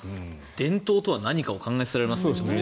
伝統とは何かを考えさせられますね。